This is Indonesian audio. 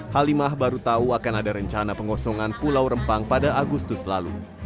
halimah baru tahu akan ada rencana pengosongan pulau rempang pada agustus lalu